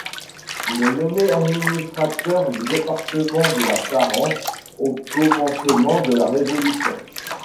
Il est nommé administrateur du département de la Charente au commencement de la Révolution.